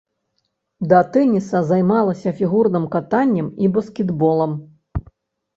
Да тэніса займалася фігурным катаннем і баскетболам.